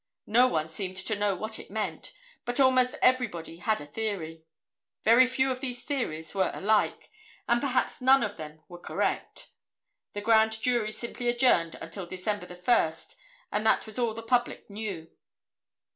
No one seemed to know what it meant, but almost everybody had a theory. Very few of these theories were alike, and perhaps none of them were correct. The grand jury simply adjourned until December 1st, and that was all the public knew.